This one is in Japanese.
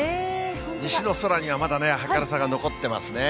西の空にはまだね、明るさが残ってますね。